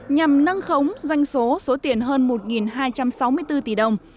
nhằm nâng khống doanh số số tiền hơn một hai trăm sáu mươi bốn tỷ đồng